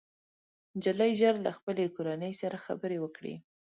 نجلۍ ژر له خپلې کورنۍ سره خبرې وکړې